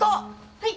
はい！